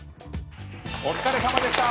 お疲れさまでした！